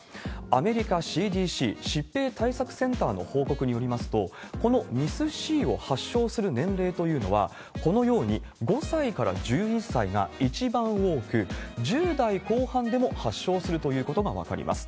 アメリカＣＤＣ・疾病対策センターの報告によりますと、このＭＩＳ−Ｃを発症する年齢というのは、このように５歳から１１歳が一番多く、１０代後半でも発症するということが分かります。